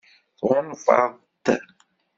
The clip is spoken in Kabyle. Tɣunfaḍ-t?